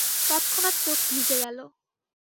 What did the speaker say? তৎক্ষণাৎ চোখ ভিজে গেল।